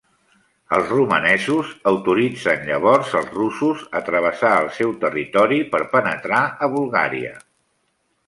Els romanesos autoritzen llavors els russos a travessar el seu territori per penetrar a Bulgària.